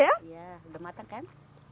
iya sudah matang kan